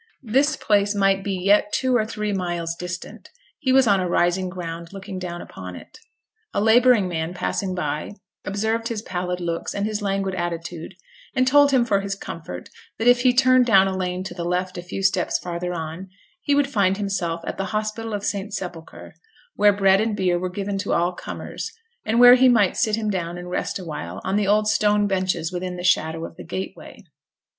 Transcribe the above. This place might be yet two or three miles distant; he was on a rising ground looking down upon it. A labouring man passing by, observed his pallid looks and his languid attitude, and told him for his comfort, that if he turned down a lane to the left a few steps farther on, he would find himself at the Hospital of St Sepulchre, where bread and beer were given to all comers, and where he might sit him down and rest awhile on the old stone benches within the shadow of the gateway.